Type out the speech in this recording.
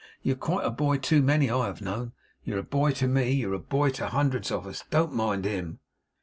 You're quite a boy to many I have known; you're a boy to me; you're a boy to hundreds of us. Don't mind him!